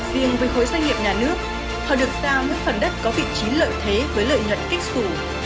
riêng với khối doanh nghiệp nhà nước họ được giao những phần đất có vị trí lợi thế với lợi nhuận kích thủ